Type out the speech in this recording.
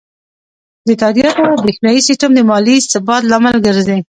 د تادیاتو بریښنایی سیستم د مالي ثبات لامل ګرځي.